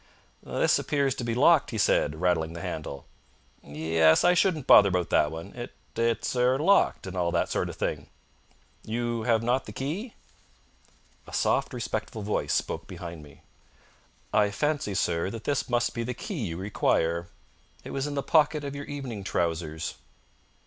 "This appears to be locked," he said, rattling the handle. "Yes; I shouldn't bother about that one. It it's er locked, and all that sort of thing." "You have not the key?" A soft, respectful voice spoke behind me. "I fancy, sir, that this must be the key you require. It was in the pocket of your evening trousers."